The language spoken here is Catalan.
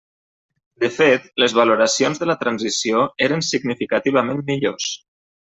De fet, les valoracions de la transició eren significativament millors.